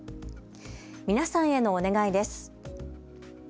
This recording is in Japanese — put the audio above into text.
皆さんへのお願いです。